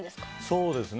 そうですね。